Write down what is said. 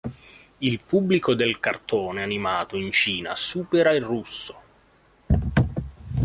Il pubblico del cartone animato in Cina supera il russo.